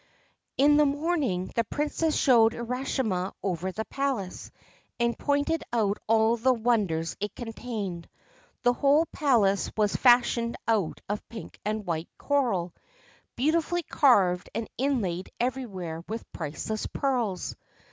In the morning the Princess showed Urashima over the palace, and pointed out all the wonders it contained. The whole place was fashioned out of pink and white coral, beautifully carved and inlaid everywhere with priceless pearls.